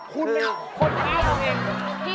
คุณจะคนที่รัก